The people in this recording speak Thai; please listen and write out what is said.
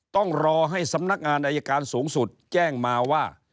ต้องรอให้สำนักงานอายการสูงสุดแจ้งมาว่า